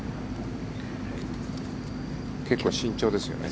結構、慎重ですよね。